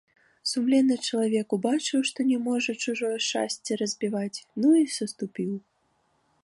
Сумленны чалавек убачыў, што не можна чужое шчасце разбіваць, ну і саступіў.